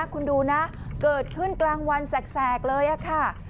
คุณดูนะเกิดขึ้นกลางวันแสกเลยค่ะ